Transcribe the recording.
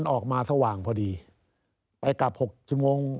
ออกมาสว่างพอดีไปกลับ๖ชั่วโมง